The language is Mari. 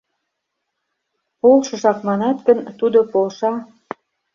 Полшыжак манат гын, Тудо полша.